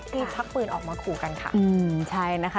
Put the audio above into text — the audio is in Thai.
กรีบชักปืนออกมาขู่กันค่ะอืมใช่นะคะ